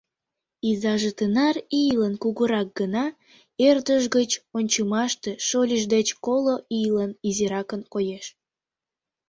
Изаже тынар ийлан кугурак гынат, ӧрдыж гыч ончымаште шольыж деч коло ийлан изиракын коеш.